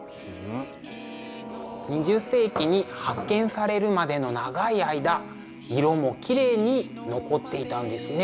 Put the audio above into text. ２０世紀に発見されるまでの長い間色もきれいに残っていたんですね。